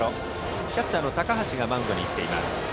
キャッチャーの高橋がマウンドに行っています。